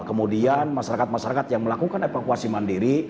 kemudian masyarakat masyarakat yang melakukan evakuasi mandiri